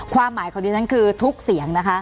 ความหมายของดิฉันคือทุกเสียงนะคะ